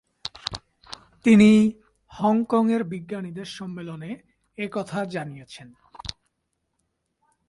তিনি হংকংয়ের বিজ্ঞানীদের সম্মেলনে এ কথা জানিয়েছেন।